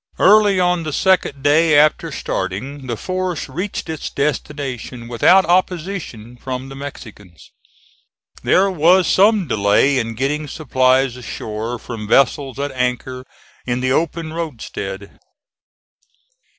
Early on the second day after starting the force reached its destination, without opposition from the Mexicans. There was some delay in getting supplies ashore from vessels at anchor in the open roadstead.